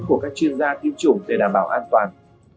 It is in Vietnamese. của các chuyên gia tiêm chủng để đảm bảo an toàn